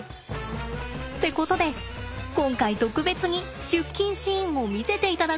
ってことで今回特別に出勤シーンを見せていただくことになりました。